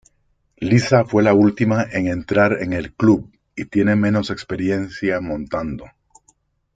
Lisa fue la última en entrar en el club y tiene menos experiencia montando.